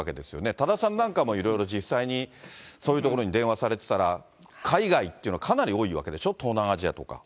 多田さんなんかもいろいろ実際にそういうところに電話されてたら、海外ってのは、かなり多いわけでしょ、東南アジアとか。